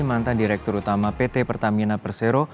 mantan direktur utama pt pertamina persero